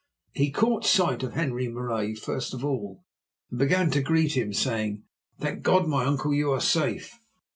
He caught sight of Henri Marais first of all, and began to greet him, saying: "Thank God, my uncle, you are safe!"